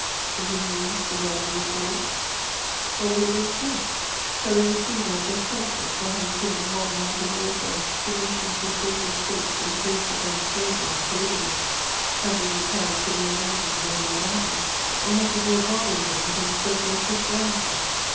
Is a new East about to be formed? What will it bring forth? Shall we receive our just punishment for having taught the modern art of warfare to nations whose social state is based upon slavery and polygamy? Have we carried civilization beyond our boundaries, or have we brought barbarism within the circle of Christianity?